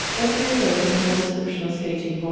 Let me refer to the whole description of skating, vol.